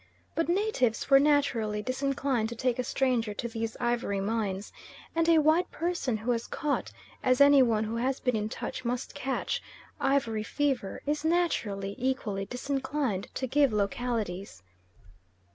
But natives were naturally disinclined to take a stranger to these ivory mines, and a white person who has caught as any one who has been in touch must catch ivory fever, is naturally equally disinclined to give localities.